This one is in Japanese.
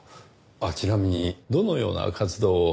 ちなみにどのような活動を？